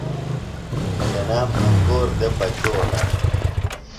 تنام انگور دےۡ پچولہ۔